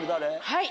はい！